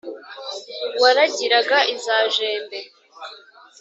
waragiraga iza jembe.